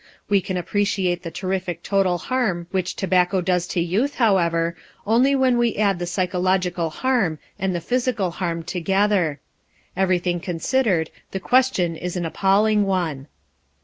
We can appreciate the terrific total harm which tobacco does to youth, however, only when we add the psychological harm and the physical harm together. Everything considered, the question is an appalling one.